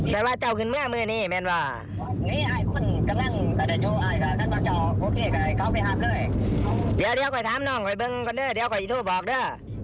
แต่ว่ากากก็ยังทำไม่ทำว่า